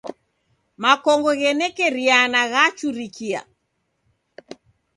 Makongo ghenekeriana ghachurikie.